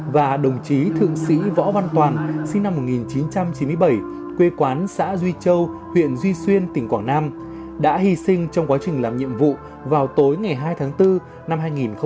và đồng chí thượng sĩ võ văn toàn sinh năm một nghìn chín trăm chín mươi bảy quê quán xã duy châu huyện duy xuyên tỉnh quảng nam đã hy sinh trong quá trình làm nhiệm vụ vào tối ngày hai tháng bốn năm hai nghìn hai mươi